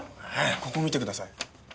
ここ見てください。